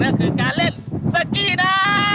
ก็คือการเล่นสกี้นะ